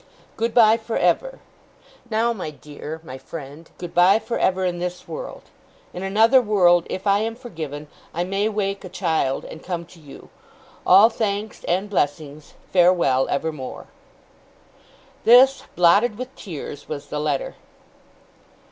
'Good bye for ever. Now, my dear, my friend, good bye for ever in this world. In another world, if I am forgiven, I may wake a child and come to you. All thanks and blessings. Farewell, evermore.' This, blotted with tears, was the letter.